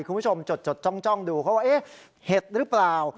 คุณผู้ชมจดจ้องดูเขาว่าเอ๊ะเห็ดหรือเปล่า